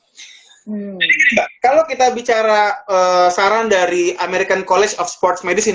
jadi kalau kita bicara saran dari american college of sports medicine